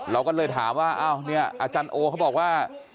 เราก็เลยถามว่าอ้าวเนี่ยอาจารย์โอเขาบอกว่า